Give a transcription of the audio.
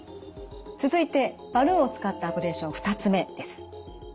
続いてバルーンを使ったアブレーション２つ目です。